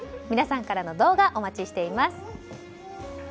皆さんからの動画お待ちしています。